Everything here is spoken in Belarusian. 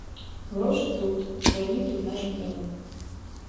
Грошы тут, жаніх тут на жменю.